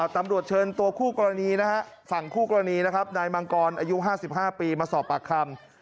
ตำรวจเชิญตัวคู่กรณีนะฮะฝั่งคู่กรณีนะครับนายมังกรอายุ๕๕ปีมาสอบปากคำ